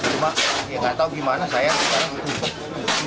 cuma ya nggak tahu gimana saya sekarang